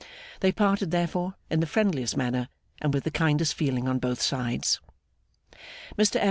They parted, therefore, in the friendliest manner, and with the kindest feeling on both sides. Mr F.